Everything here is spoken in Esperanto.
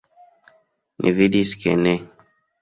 Ni vidis ke ne.